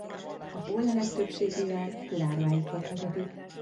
A pollenek többségével lárváikat etetik.